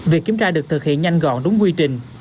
việc kiểm tra được thực hiện nhanh gọn đúng quy trình